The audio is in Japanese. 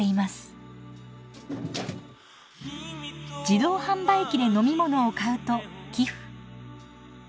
自動販売機で飲み物を買うと寄付。